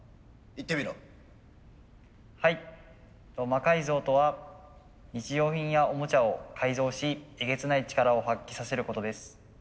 魔改造とは日用品やオモチャを改造しえげつない力を発揮させることです。